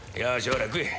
ほら食え